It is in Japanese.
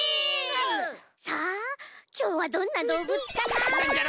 さあきょうはどんなどうぶつかな？